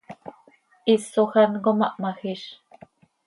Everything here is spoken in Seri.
Hisoj án com ah hmajíz.